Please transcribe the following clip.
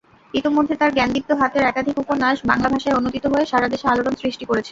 ইতোমধ্যে তার জ্ঞানদীপ্ত হাতের একাধিক উপন্যাস বাংলা ভাষায় অনূদিত হয়ে সারাদেশে আলোড়ন সৃষ্টি করেছে।